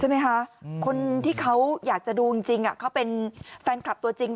คนที่เขาอยากจะดูจริงเขาเป็นแฟนคลับตัวจริง